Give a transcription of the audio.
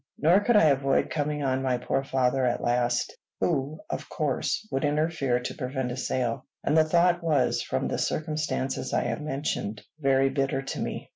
Nor could I avoid coming on my poor father at last, who, of course, would interfere to prevent a sale; and the thought was, from the circumstances I have mentioned, very bitter to me.